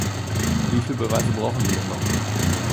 Wie viel Beweise brauchen Sie denn noch?